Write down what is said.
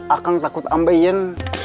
akang takut ambein